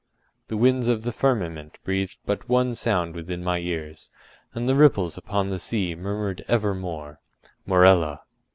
The winds of the firmament breathed but one sound within my ears, and the ripples upon the sea murmured evermore—Morella.